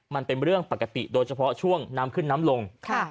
มันเป็นเรื่องปกติโดยเฉพาะช่วงน้ำขึ้นน้ำลง